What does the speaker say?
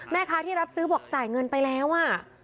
แม่ค้าที่รับซื้อบอกจ่ายเงินไปแล้วอ่ะ